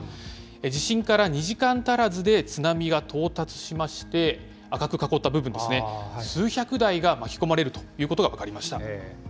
地震から２時間足らずで津波が到達しまして、赤く囲った部分ですね、数百台が巻き込まれるということが分かりました。